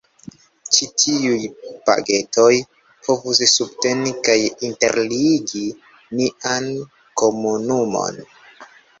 Ĉi tiuj “pagetoj” povus subteni kaj interligi nian komunumon.